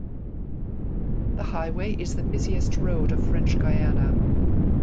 The highway is the busiest road of French Guiana.